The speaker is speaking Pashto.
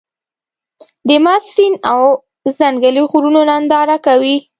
د مست سيند او ځنګلي غرونو ننداره کوې.